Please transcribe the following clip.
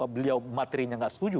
beliau materinya tidak setuju